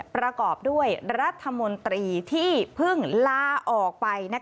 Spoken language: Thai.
ประกอบด้วยรัฐมนตรีที่เพิ่งลาออกไป